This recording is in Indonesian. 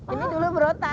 ini dulu berontak